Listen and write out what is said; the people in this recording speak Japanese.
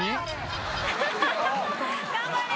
頑張れ。